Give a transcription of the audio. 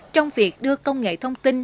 trong việc đưa công nghệ thông tin